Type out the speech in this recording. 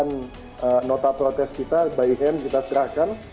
dengan nota protes kita by hand kita serahkan